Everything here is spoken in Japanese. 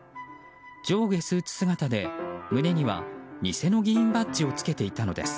上下スーツ姿で胸には偽の議員バッジをつけていたのです。